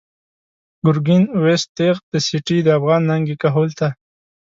“گرگین” ویوست تیغ د سټی، د افغان ننگی کهول ته